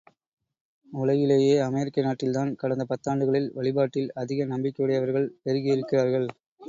உலகிலேயே அமெரிக்க நாட்டில்தான் கடந்த பத்தாண்டுகளில் வழிபாட்டில் அதிக நம்பிக்கையுடையவர்கள் பெருகியிருக்கிறார்கள்.